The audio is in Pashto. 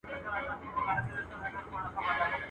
o چي بد غواړې، پر بدو به واوړې.